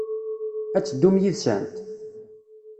Ad teddum yid-sent?